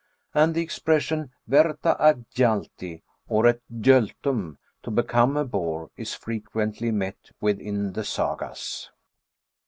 ; and the expression ver^a at gjalti, or at gjoltum, to become a boar, is frequently met with in the Sagas.